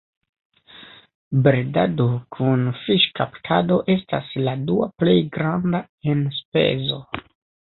Bredado kun fiŝkaptado estas la dua plej granda enspezo.